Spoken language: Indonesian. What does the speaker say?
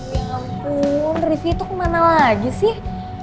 ya ampun revie itu kemana lagi sih